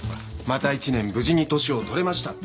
また１年無事に年を取れましたって意味で。